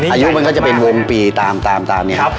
อายุมันก็จะเป็นวงปีตามเนี่ย